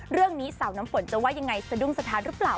เรื่องนี้สาวน้ำฝนจะว่ายังไงสะดุ้งสถานหรือเปล่า